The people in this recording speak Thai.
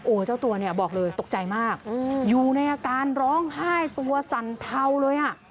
โอ้เจ้าตัวบอกเลยตกใจมากอยู่ในอาการร้องไห้ตัวสันเทาเลย